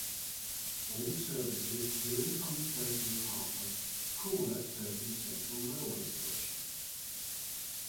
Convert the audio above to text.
All services to and from Turku Harbour call at Turku Central railway station.